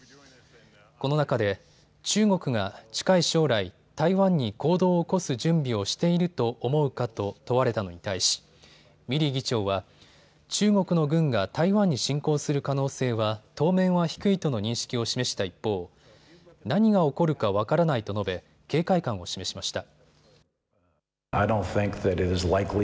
この中で中国が近い将来、台湾に行動を起こす準備をしていると思うかと問われたのに対し、ミリー議長は中国の軍が台湾に侵攻する可能性は当面は低いとの認識を示した一方、何が起こるか分からないと述べ警戒感を示しました。